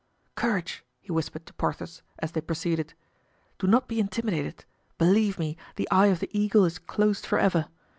"Courage!" he whispered to Porthos, as they proceeded. "Do not be intimidated. Believe me, the eye of the eagle is closed forever.